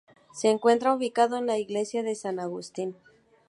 Se encuentra ubicado en la Iglesia de San Agustín.